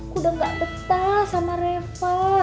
gue udah ga peta sama reva